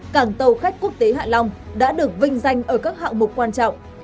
cảng tàu khách quốc tế hạ long đã được vinh danh ở các hạng mục quan trọng